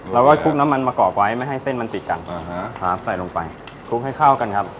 แล้วก็คลุกน้ำมันมากรอบไว้ไม่ให้เส้นมันติดกันใส่ลงไปคลุกให้เข้ากันครับ